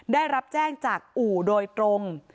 ได้รับแจ้งจากอู่โดยตรง